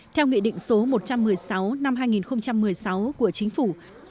theo nghị định số một trăm một mươi sáu năm hai nghìn một mươi sáu của chính phủ